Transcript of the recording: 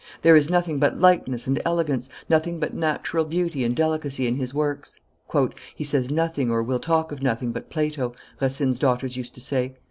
There is nothing but lightness and elegance, nothing but natural beauty and delicacy in his works." "He says nothing or will talk of nothing but Plato," Racine's daughters used to say.